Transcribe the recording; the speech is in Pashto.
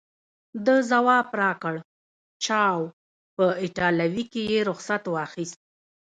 ده ځواب راکړ: چاو، په ایټالوي کې یې رخصت واخیست.